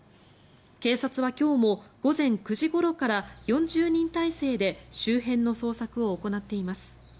警察は今日も午前９時ごろから４０人態勢で周辺の捜索を行っています。